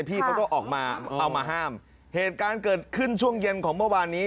พี่เขาต้องออกมาเอามาห้ามเหตุการณ์เกิดขึ้นช่วงเย็นของเมื่อวานนี้